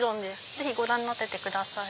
ぜひご覧になってってください。